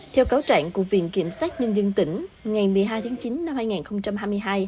theo cáo trạng của viện kiểm sát nhân dân tỉnh ngày một mươi hai tháng chín năm hai nghìn hai mươi hai